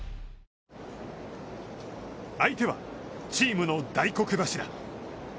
相手は、チームの大黒柱。